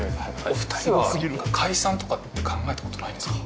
お二人は解散とかって考えたことないですか？